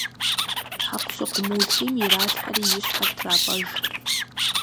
Хьэкъущыкъу мыулъийм иралъхьэри и щхьэр трапӏэж.